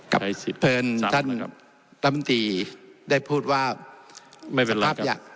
กับเพลินท่านตำตีได้พูดว่าไม่เป็นไรครับ